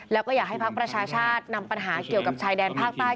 แล้วก็อยากให้ภักดิ์ประชาชาตินำปัญหาเกี่ยวกับชายแดนภาคใต้